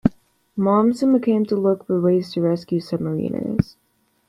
Momsen began to look for ways to rescue submariners.